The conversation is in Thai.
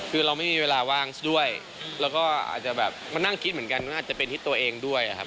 คือเราไม่มีเวลาว่างด้วยแล้วก็อาจจะแบบมานั่งคิดเหมือนกันว่าอาจจะเป็นทิศตัวเองด้วยครับ